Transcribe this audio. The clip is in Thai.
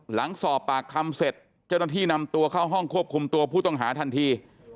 หลังสอบปากคำเสร็จเจ้าหน้าที่นำตัวเข้าห้องควบคุมตัวผู้ต้องหาทันที